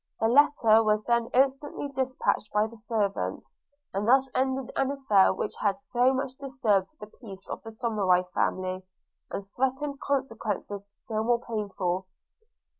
The letter was then instantly dispatched by the servant: and thus ended an affair which had so much disturbed the peace of the Somerive family, and threatened consequences still more painful.